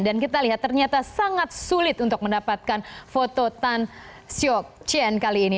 dan kita lihat ternyata sangat sulit untuk mendapatkan foto tan sio chen kali ini